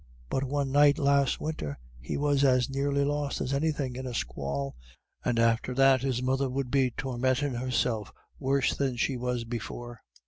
But one night last winter he was as nearly lost as anythin' in a squall, and after that his mother would be tormintin' herself worse than she was before.